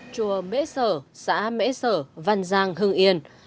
chùa mễ sở xã mễ sở văn giang hưng yên